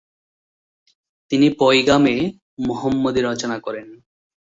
তিনি পয়গামে মুহাম্মদী রচনা করেন।